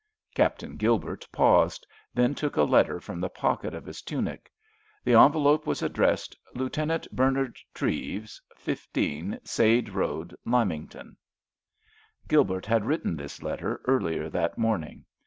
Captain Gilbert paused, then took a letter from the pocket of his tunic. The envelope was addressed: "Lieutenant Bernard Treves, 15, Sade Road, Lymington." Gilbert had written this letter earlier that morning.